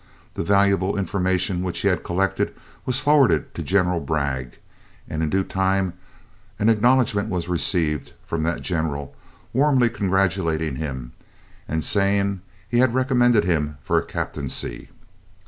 The valuable information which he had collected was forwarded to General Bragg, and in due time an acknowledgment was received from that general, warmly congratulating him, and saying he had recommended him for a captaincy.